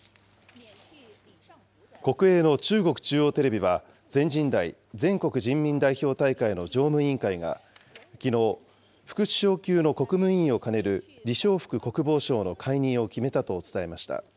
国営の中国中央テレビは、全人代・全国人民代表大会の常務委員会がきのう、副首相級の国務委員を兼ねる李尚福国防相の解任を決めたと伝えました。